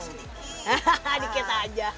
nggak bisa sedikit